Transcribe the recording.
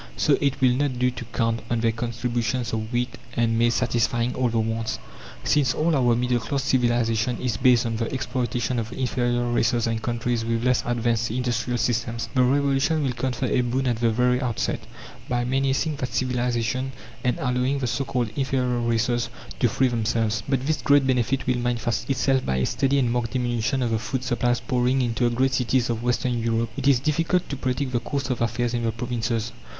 So it will not do to count on their contributions of wheat and maize satisfying all the wants. Since all our middle class civilization is based on the exploitation of inferior races and countries with less advanced industrial systems, the Revolution will confer a boon at the very outset, by menacing that "civilization," and allowing the so called inferior races to free themselves. But this great benefit will manifest itself by a steady and marked diminution of the food supplies pouring into the great cities of western Europe. It is difficult to predict the course of affairs in the provinces.